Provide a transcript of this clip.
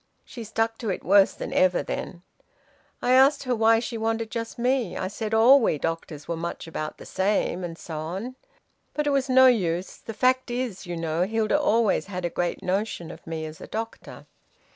She stuck to it worse than ever then. I asked her why she wanted just me. I said all we doctors were much about the same, and so on. But it was no use. The fact is, you know, Hilda always had a great notion of me as a doctor.